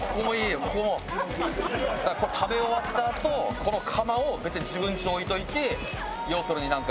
食べ終わったあとこの釜を自分ちに置いといて要するになんか。